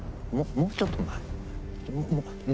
もうちょっと前。